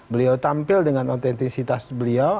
beliau tampil dengan otentisitas beliau